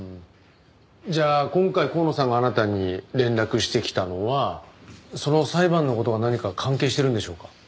じゃあ今回香野さんがあなたに連絡してきたのはその裁判の事が何か関係してるんでしょうか？